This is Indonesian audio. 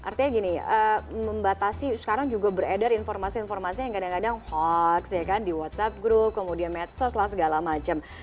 artinya gini membatasi sekarang juga beredar informasi informasi yang kadang kadang hoax ya kan di whatsapp group kemudian medsos lah segala macam